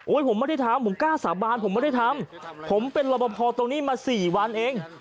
ผมไม่ได้ทำผมกล้าสาบานผมไม่ได้ทำผมเป็นรบพอตรงนี้มาสี่วันเอง